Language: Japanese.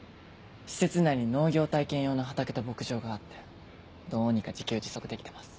施設内に農業体験用の畑と牧場があってどうにか自給自足できてます。